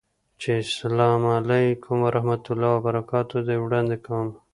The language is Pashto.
چې اسلام علیکم ورحمة الله وبرکاته ده، وړاندې کوم